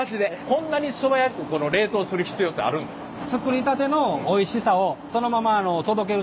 こんなに素早くこの冷凍する必要ってあるんですか？